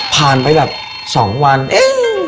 พันไปแบบ๒วันเอ๊ะ